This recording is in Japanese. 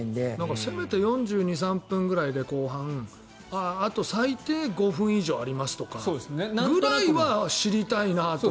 せめて４２、４３分ぐらいで後半あと最低５分以上ありますとかぐらいは知りたいなと。